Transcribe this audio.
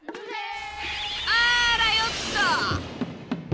あらよっと！